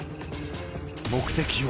目的は？